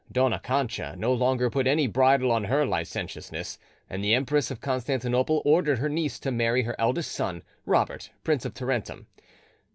Dona Cancha no longer put any bridle on her licentiousness, and the Empress of Constantinople ordered her niece to marry her eldest son, Robert, Prince of Tarentum.